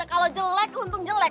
kalau jelek untung jelek